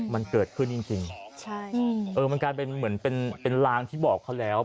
มันเกิดขึ้นจริงนะครับมันกลายเป็นเหมือนเป็นรางที่บ่อเขาแล้ว